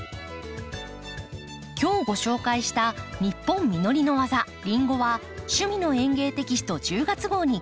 今日ご紹介した「ニッポン実りのわざリンゴ」は「趣味の園芸」テキスト１０月号に掲載されています。